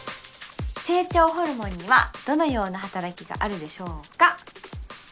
成長ホルモンにはどのような働きがあるでしょうか